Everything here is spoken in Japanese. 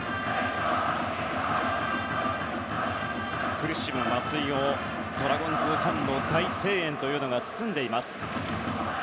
苦しむ松井をドラゴンズファンの大声援が包んでいます。